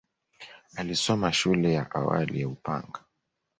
Alisoma shule ya awali ya Upanga.